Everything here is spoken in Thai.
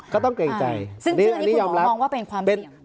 ก็ต้องเกรงใจซึ่งคืออันนี้คุณหมอมองว่าเป็นความเหลี่ยม